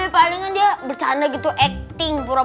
palingan dia bercanda gitu acting gitu loh